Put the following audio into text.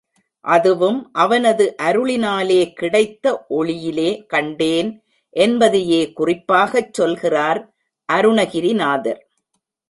அதுவும் அவனது அருளினாலே கிடைத்த ஒளியிலே கண்டேன் என்பதையே குறிப்பாகச் சொல்கிறார் அருணகிரிநாதர்.